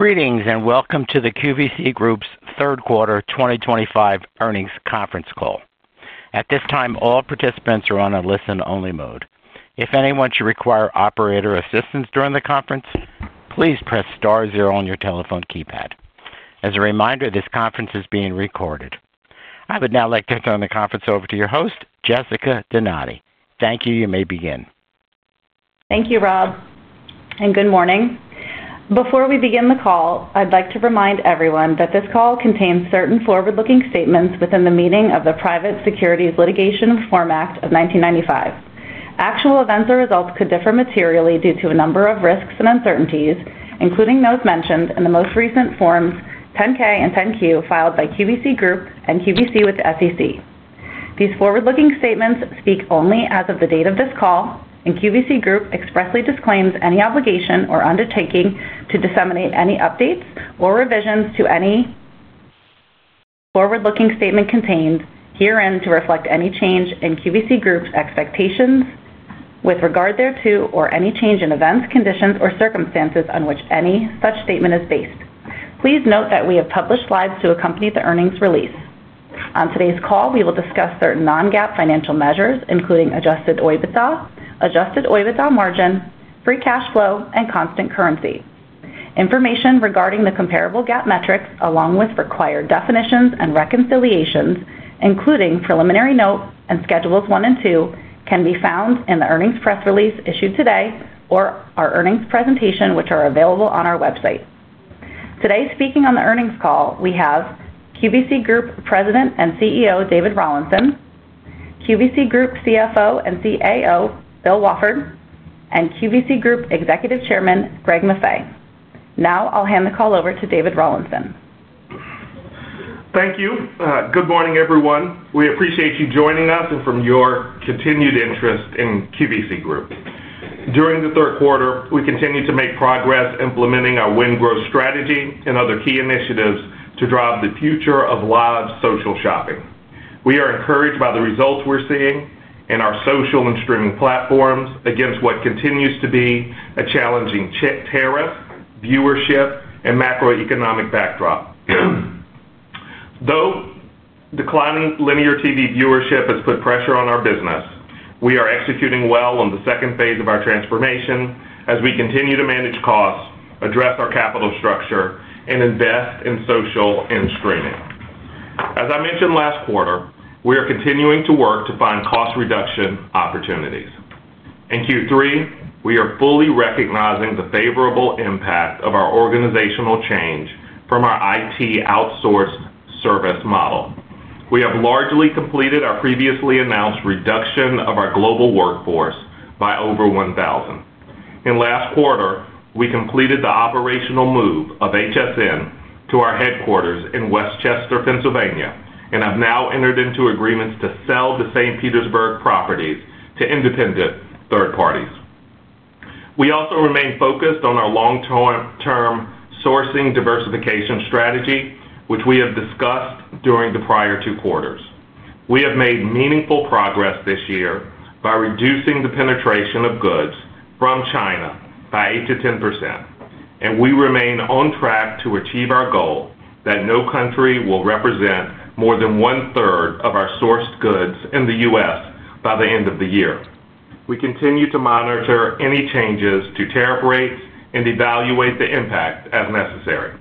Greetings and welcome to the QVC Group's third quarter 2025 earnings conference call. At this time, all participants are on a listen-only mode. If anyone should require operator assistance during the conference, please press star zero on your telephone keypad. As a reminder, this conference is being recorded. I would now like to turn the conference over to your host, Jessica Donati. Thank you. You may begin. Thank you, Rob. Good morning. Before we begin the call, I'd like to remind everyone that this call contains certain forward-looking statements within the meaning of the Private Securities Litigation Reform Act of 1995. Actual events or results could differ materially due to a number of risks and uncertainties, including those mentioned in the most recent Forms 10-K and 10-Q filed by QVC Group and QVC with the SEC. These forward-looking statements speak only as of the date of this call, and QVC Group expressly disclaims any obligation or undertaking to disseminate any updates or revisions to any forward-looking statement contained herein to reflect any change in QVC Group's expectations with regard thereto, or any change in events, conditions, or circumstances on which any such statement is based. Please note that we have published slides to accompany the earnings release. On today's call, we will discuss certain non-GAAP financial measures, including adjusted EBITDA, adjusted EBITDA margin, free cash flow, and constant currency. Information regarding the comparable GAAP metrics, along with required definitions and reconciliations, including preliminary notes and Schedules 1 and 2, can be found in the earnings press release issued today or our earnings presentation, which are available on our website. Today, speaking on the earnings call, we have QVC Group President and CEO David Rawlinson, QVC Group CFO and CAO Bill Wafford, and QVC Group Executive Chairman Greg Maffei. Now I'll hand the call over to David Rawlinson. Thank you. Good morning, everyone. We appreciate you joining us and for your continued interest in QVC Group. During the third quarter, we continue to make progress implementing our win-growth strategy and other key initiatives to drive the future of live social shopping. We are encouraged by the results we're seeing in our social and streaming platforms against what continues to be a challenging tariff, viewership, and macroeconomic backdrop. Though declining linear TV viewership has put pressure on our business, we are executing well on the second phase of our transformation as we continue to manage costs, address our capital structure, and invest in social and streaming. As I mentioned last quarter, we are continuing to work to find cost reduction opportunities. In Q3, we are fully recognizing the favorable impact of our organizational change from our IT outsourced service model. We have largely completed our previously announced reduction of our global workforce by over 1,000. In last quarter, we completed the operational move of HSN to our headquarters in West Chester, Pennsylvania, and have now entered into agreements to sell the St. Petersburg properties to independent third parties. We also remain focused on our long-term sourcing diversification strategy, which we have discussed during the prior two quarters. We have made meaningful progress this year by reducing the penetration of goods from China by 8%-10%, and we remain on track to achieve our goal that no country will represent more than one-third of our sourced goods in the U.S. by the end of the year. We continue to monitor any changes to tariff rates and evaluate the impact as necessary.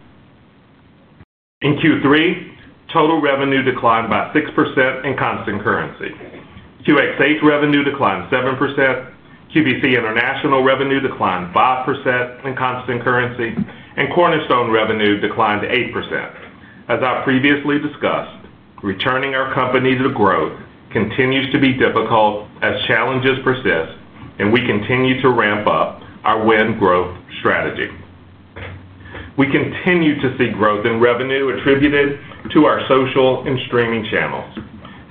In Q3, total revenue declined by 6% in constant currency. QxH revenue declined 7%, QVC International revenue declined 5% in constant currency, and Cornerstone revenue declined 8%. As I previously discussed, returning our company to growth continues to be difficult as challenges persist, and we continue to ramp up our win-growth strategy. We continue to see growth in revenue attributed to our social and streaming channels,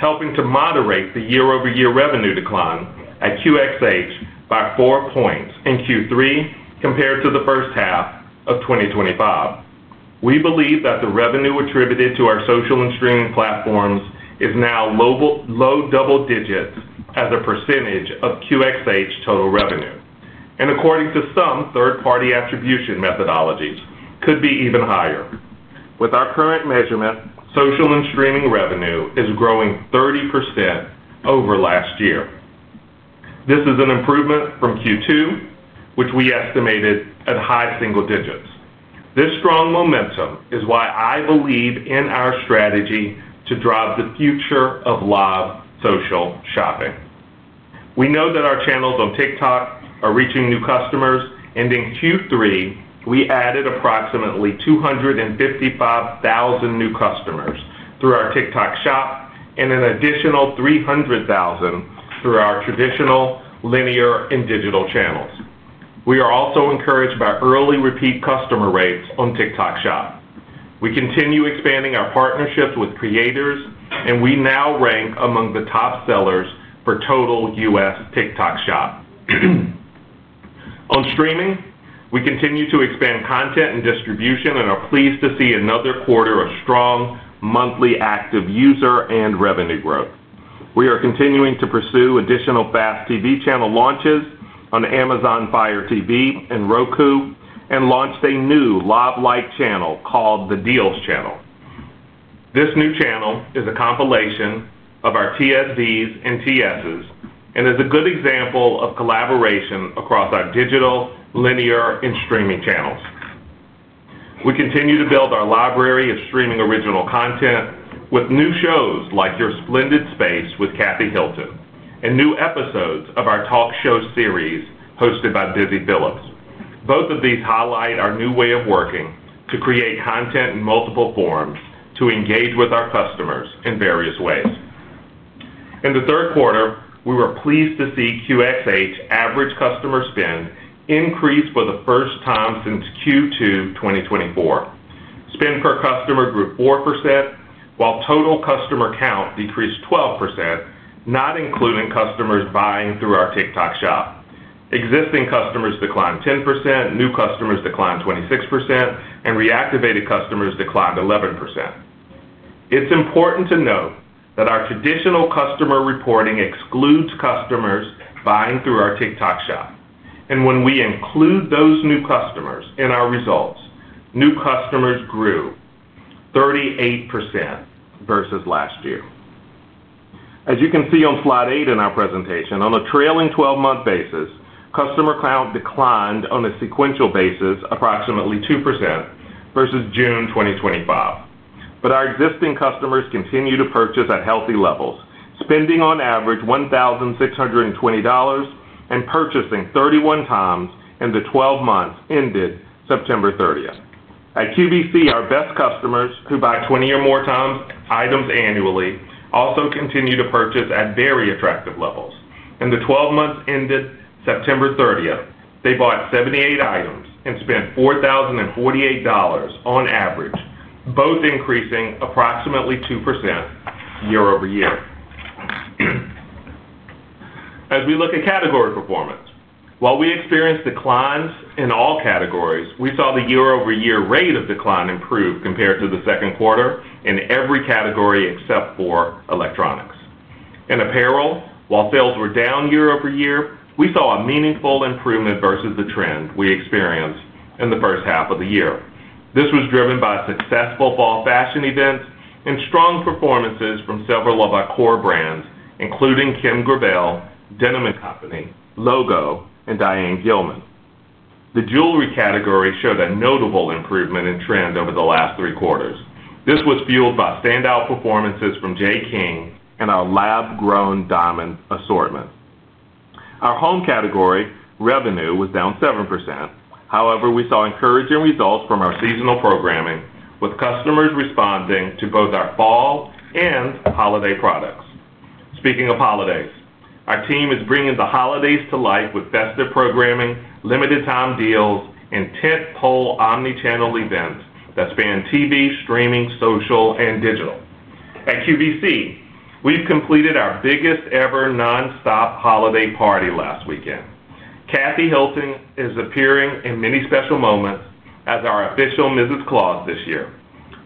helping to moderate the year-over-year revenue decline at QxH by four points in Q3 compared to the first half of 2025. We believe that the revenue attributed to our social and streaming platforms is now low double digits as a percentage of QxH total revenue, and according to some third-party attribution methodologies, could be even higher. With our current measurement, social and streaming revenue is growing 30% over last year. This is an improvement from Q2, which we estimated at high single digits. This strong momentum is why I believe in our strategy to drive the future of live social shopping. We know that our channels on TikTok are reaching new customers, and in Q3, we added approximately 255,000 new customers through our TikTok Shop and an additional 300,000 through our traditional linear and digital channels. We are also encouraged by early repeat customer rates on TikTok Shop. We continue expanding our partnerships with creators, and we now rank among the top sellers for total U.S. TikTok Shop. On streaming, we continue to expand content and distribution and are pleased to see another quarter of strong monthly active user and revenue growth. We are continuing to pursue additional fast TV channel launches on Amazon Fire TV and Roku and launched a new live-like channel called the Deals Channel. This new channel is a compilation of our TSVs and TSs and is a good example of collaboration across our digital, linear, and streaming channels. We continue to build our library of streaming original content with new shows like Your Splendid Space with Kathy Hilton and new episodes of our talk show series hosted by Busy Philipps. Both of these highlight our new way of working to create content in multiple forms to engage with our customers in various ways. In the third quarter, we were pleased to see QxH average customer spend increase for the first time since Q2 2024. Spend per customer grew 4%, while total customer count decreased 12%, not including customers buying through our TikTok Shop. Existing customers declined 10%, new customers declined 26%, and reactivated customers declined 11%. It's important to note that our traditional customer reporting excludes customers buying through our TikTok Shop, and when we include those new customers in our results, new customers grew 38% versus last year. As you can see on slide eight in our presentation, on a trailing 12-month basis, customer count declined on a sequential basis approximately 2% versus June 2025. Our existing customers continue to purchase at healthy levels, spending on average $1,620 and purchasing 31x in the 12 months ended September 30th. At QVC, our best customers who buy 20 or more items annually also continue to purchase at very attractive levels. In the 12 months ended September 30th, they bought 78 items and spent $4,048 on average, both increasing approximately 2% year-over-year. As we look at category performance, while we experienced declines in all categories, we saw the year-over-year rate of decline improve compared to the second quarter in every category except for electronics. In apparel, while sales were down year over year, we saw a meaningful improvement versus the trend we experienced in the first half of the year. This was driven by successful fall fashion events and strong performances from several of our core brands, including Kim Gravel, Denim & Company, LOGO, and Diane Gilman. The jewelry category showed a notable improvement in trend over the last three quarters. This was fueled by standout performances from J. King and our lab-grown diamond assortment. Our home category revenue was down 7%. However, we saw encouraging results from our seasonal programming, with customers responding to both our fall and holiday products. Speaking of holidays, our team is bringing the holidays to life with festive programming, limited-time deals, and tent-pole omnichannel events that span TV, streaming, social, and digital. At QVC, we've completed our biggest-ever nonstop holiday party last weekend. Kathy Hilton is appearing in many special moments as our official Mrs. Claus this year.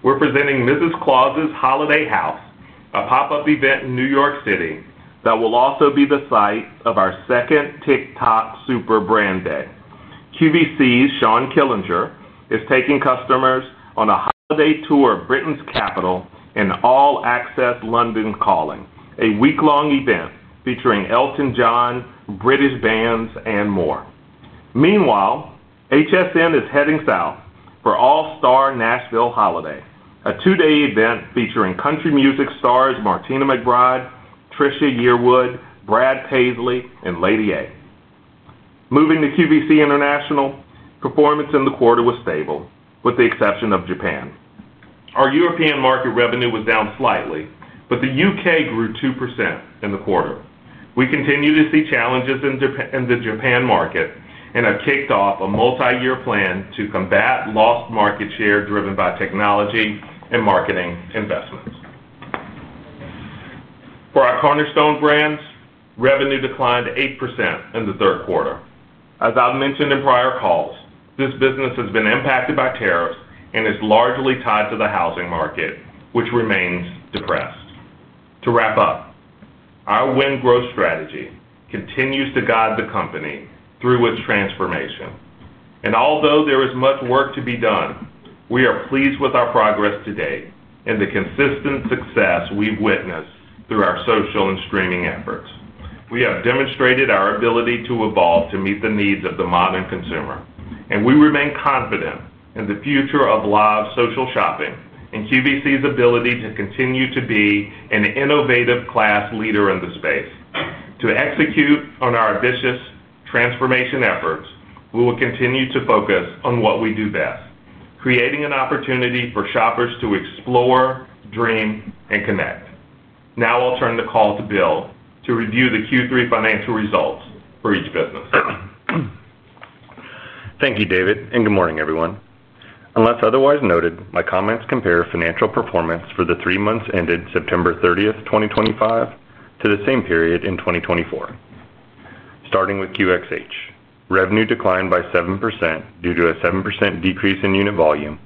We're presenting Mrs. Claus's Holiday House, a pop-up event in New York City that will also be the site of our second TikTok Super Brand Day. QVC's Sean Killinger is taking customers on a holiday tour of Britain's capital in all-access London calling, a week-long event featuring Elton John, British bands, and more. Meanwhile, HSN is heading south for All-Star Nashville Holiday, a two-day event featuring country music stars Martina McBride, Trisha Yearwood, Brad Paisley, and Lady A. Moving to QVC International, performance in the quarter was stable, with the exception of Japan. Our European market revenue was down slightly, but the U.K. grew 2% in the quarter. We continue to see challenges in the Japan market and have kicked off a multi-year plan to combat lost market share driven by technology and marketing investments. For our Cornerstone Brands, revenue declined 8% in the third quarter. As I've mentioned in prior calls, this business has been impacted by tariffs and is largely tied to the housing market, which remains depressed. To wrap up. Our win-growth strategy continues to guide the company through its transformation. Although there is much work to be done, we are pleased with our progress today and the consistent success we've witnessed through our social and streaming efforts. We have demonstrated our ability to evolve to meet the needs of the modern consumer, and we remain confident in the future of live social shopping and QVC's ability to continue to be an innovative class leader in the space. To execute on our ambitious transformation efforts, we will continue to focus on what we do best: creating an opportunity for shoppers to explore, dream, and connect. Now I'll turn the call to Bill to review the Q3 financial results for each business. Thank you, David, and good morning, everyone. Unless otherwise noted, my comments compare financial performance for the three months ended September 30th, 2025, to the same period in 2024. Starting with QxH, revenue declined by 7% due to a 7% decrease in unit volume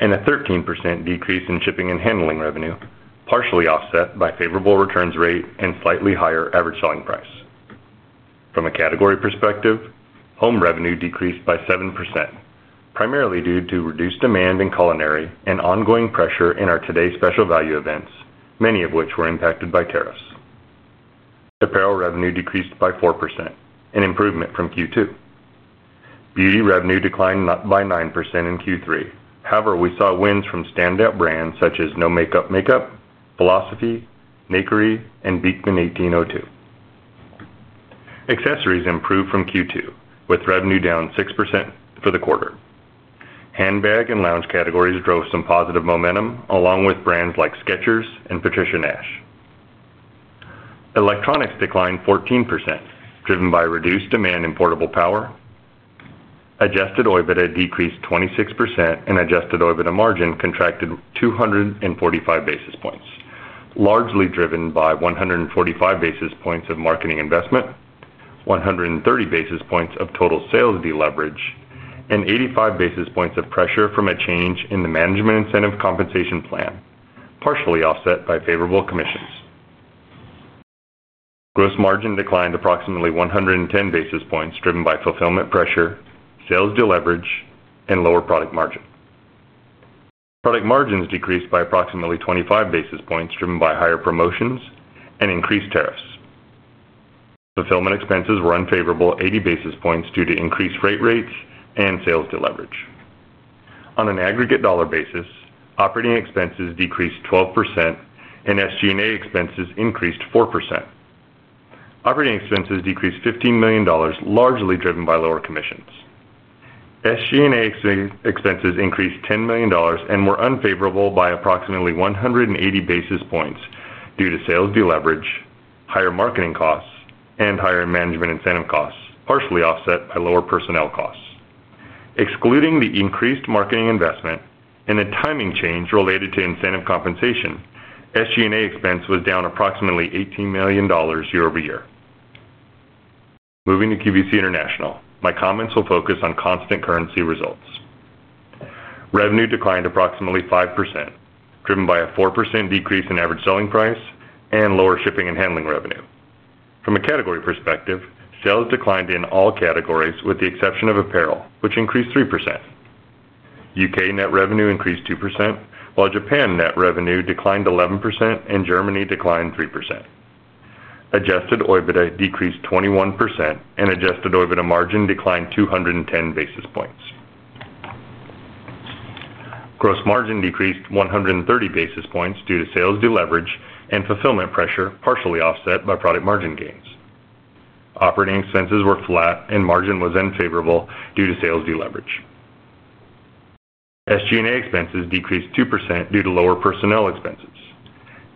and a 13% decrease in shipping and handling revenue, partially offset by favorable returns rate and slightly higher average selling price. From a category perspective, home revenue decreased by 7%, primarily due to reduced demand in culinary and ongoing pressure in our Today's Special Value events, many of which were impacted by tariffs. Apparel revenue decreased by 4%, an improvement from Q2. Beauty revenue declined by 9% in Q3. However, we saw wins from standout brands such as No Makeup Makeup, Philosophy, Naked Re, and Beekman 1802. Accessories improved from Q2, with revenue down 6% for the quarter. Handbag and lounge categories drove some positive momentum, along with brands like Skechers and Patricia Nash. Electronics declined 14%, driven by reduced demand in portable power. Adjusted EBITDA decreased 26%, and adjusted EBITDA margin contracted 245 basis points, largely driven by 145 basis points of marketing investment, 130 basis points of total sales deleverage, and 85 basis points of pressure from a change in the management incentive compensation plan, partially offset by favorable commissions. Gross margin declined approximately 110 basis points, driven by fulfillment pressure, sales deleverage, and lower product margin. Product margins decreased by approximately 25 basis points, driven by higher promotions and increased tariffs. Fulfillment expenses were unfavorable 80 basis points due to increased freight rates and sales deleverage. On an aggregate dollar basis, operating expenses decreased 12%, and SG&A expenses increased 4%. Operating expenses decreased $15 million, largely driven by lower commissions. SG&A expenses increased $10 million and were unfavorable by approximately 180 basis points due to sales deleverage, higher marketing costs, and higher management incentive costs, partially offset by lower personnel costs. Excluding the increased marketing investment and the timing change related to incentive compensation, SG&A expense was down approximately $18 million year-over-year. Moving to QVC International, my comments will focus on constant currency results. Revenue declined approximately 5%, driven by a 4% decrease in average selling price and lower shipping and handling revenue. From a category perspective, sales declined in all categories with the exception of apparel, which increased 3%. U.K. net revenue increased 2%, while Japan net revenue declined 11% and Germany declined 3%. Adjusted EBITDA decreased 21%, and Adjusted EBITDA margin declined 210 basis points. Gross margin decreased 130 basis points due to sales deleverage and fulfillment pressure, partially offset by product margin gains. Operating expenses were flat, and margin was unfavorable due to sales deleverage. SG&A expenses decreased 2% due to lower personnel expenses.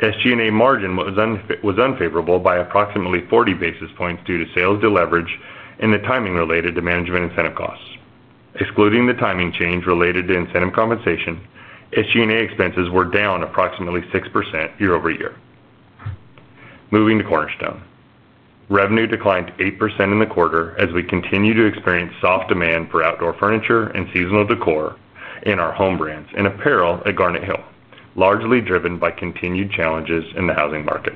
SG&A margin was unfavorable by approximately 40 basis points due to sales deleverage and the timing related to management incentive costs. Excluding the timing change related to incentive compensation, SG&A expenses were down approximately 6% year-over-year. Moving to Cornerstone, revenue declined 8% in the quarter as we continue to experience soft demand for outdoor furniture and seasonal decor in our home brands and apparel at Garnet Hill, largely driven by continued challenges in the housing market.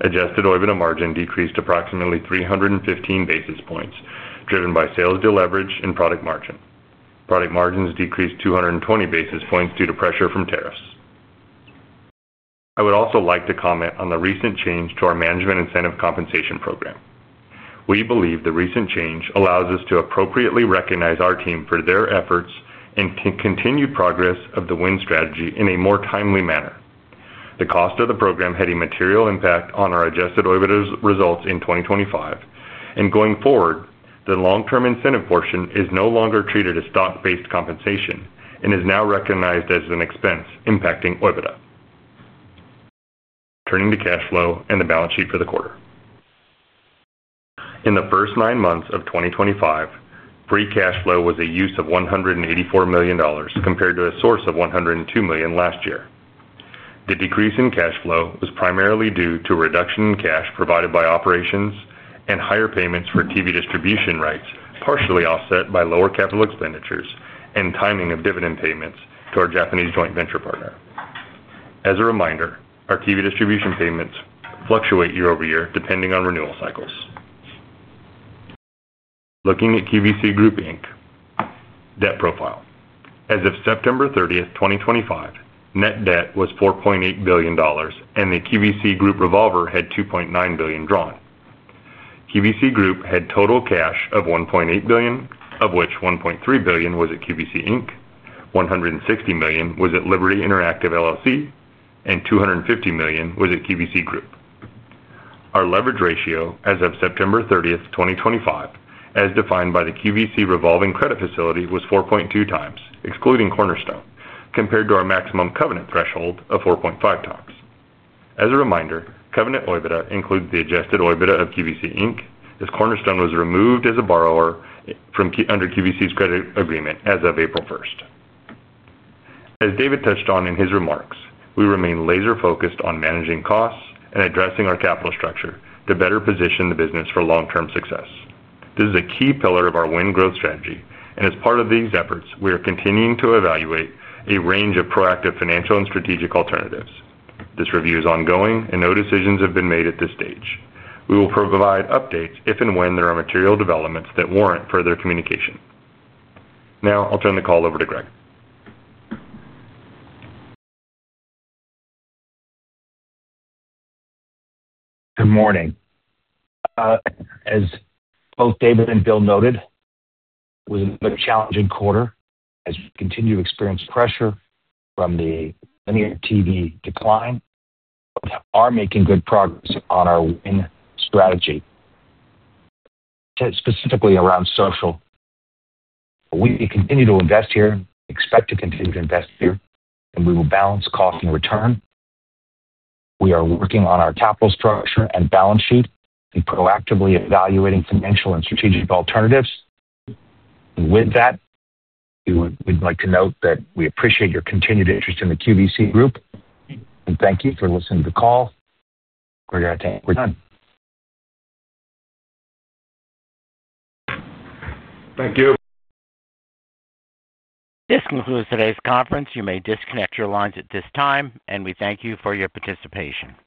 Adjusted EBITDA margin decreased approximately 315 basis points, driven by sales deleverage and product margin. Product margins decreased 220 basis points due to pressure from tariffs. I would also like to comment on the recent change to our management incentive compensation program. We believe the recent change allows us to appropriately recognize our team for their efforts and continued progress of the win-growth strategy in a more timely manner. The cost of the program had a material impact on our Adjusted EBITDA results in 2025, and going forward, the long-term incentive portion is no longer treated as stock-based compensation and is now recognized as an expense impacting EBITDA. Turning to cash flow and the balance sheet for the quarter. In the first nine months of 2025, free cash flow was a use of $184 million compared to a source of $102 million last year. The decrease in cash flow was primarily due to a reduction in cash provided by operations and higher payments for TV distribution rights, partially offset by lower capital expenditures and timing of dividend payments to our Japanese joint venture partner. As a reminder, our TV distribution payments fluctuate year-over-year depending on renewal cycles. Looking at QVC Group debt profile, as of September 30, 2025, net debt was $4.8 billion, and the QVC Group revolver had $2.9 billion drawn. QVC Group had total cash of $1.8 billion, of which $1.3 billion was at QVC, $160 million was at Liberty Interactive, and $250 million was at QVC Group. Our leverage ratio as of September 30th, 2025, as defined by the QVC revolving credit facility, was 4.2x, excluding Cornerstone, compared to our maximum covenant threshold of 4.5x. As a reminder, covenant EURIBOR includes the adjusted EURIBOR of QVC as Cornerstone was removed as a borrower under QVC's credit agreement as of April 1st. As David touched on in his remarks, we remain laser-focused on managing costs and addressing our capital structure to better position the business for long-term success. This is a key pillar of our win-growth strategy, and as part of these efforts, we are continuing to evaluate a range of proactive financial and strategic alternatives. This review is ongoing, and no decisions have been made at this stage. We will provide updates if and when there are material developments that warrant further communication. Now I'll turn the call over to Greg. Good morning. As both David and Bill noted, it was a challenging quarter as we continue to experience pressure from the many TV decline, but are making good progress on our win strategy, specifically around social. We continue to invest here, expect to continue to invest here, and we will balance cost and return. We are working on our capital structure and balance sheet and proactively evaluating financial and strategic alternatives. We would like to note that we appreciate your continued interest in the QVC Group. Thank you for listening to the call. We're done. Thank you. This concludes today's conference. You may disconnect your lines at this time, and we thank you for your participation.